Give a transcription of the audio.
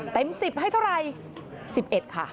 เต็ม๑๐ให้เท่าไร๑๑ค่ะ